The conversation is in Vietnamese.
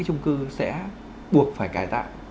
trung cư sẽ buộc phải cải tạo